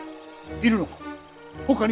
いるのか？